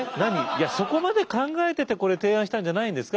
いやそこまで考えててこれ提案したんじゃないんですか？